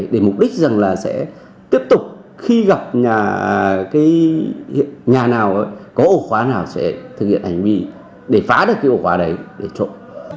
để mục đích rằng là sẽ tiếp tục khi gặp nhà cái nhà nào có ổ khóa nào sẽ thực hiện hành vi để phá được cái ổ khóa đấy để trộm